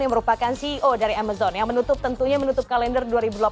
yang merupakan ceo dari amazon yang menutup tentunya menutup kalender dua ribu delapan belas